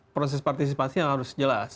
proses partisipasi yang harus jelas